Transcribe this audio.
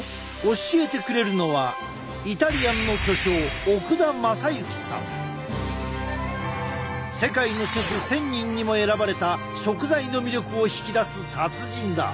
教えてくれるのは世界のシェフ１，０００人にも選ばれた食材の魅力を引き出す達人だ！